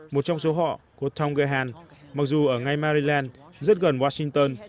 một trong số họ cô tong gehan mặc dù ở ngay maryland rất gần washington